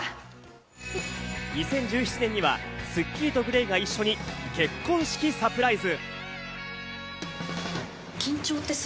２０１７年には『スッキリ』とＧＬＡＹが一緒に結婚式サプライズ。